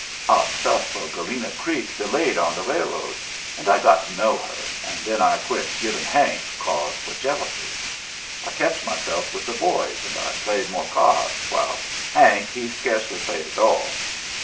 "Our stuff for Galena Creek delayed on the railroad, and I got to know her, and then I quit givin' Hank cause for jealousy. I kept myself with the boys, and I played more cyards, while Hank he sca'cely played at all.